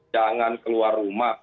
jangan keluar rumah